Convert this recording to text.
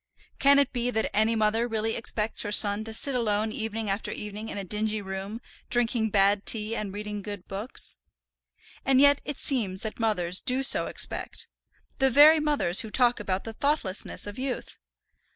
Can it be that any mother really expects her son to sit alone evening after evening in a dingy room drinking bad tea, and reading good books? And yet it seems that mothers do so expect, the very mothers who talk about the thoughtlessness of youth!